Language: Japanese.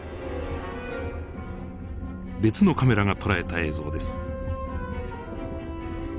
別のカメラが捉えた映像です。